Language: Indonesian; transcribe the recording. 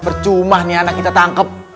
percuma nih anak kita tangkap